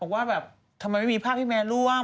บอกว่าแบบทำไมไม่มีภาพพี่แมนร่วม